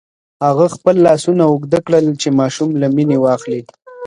هغه خپل لاسونه اوږده کړل چې ماشوم له مينې واخلي.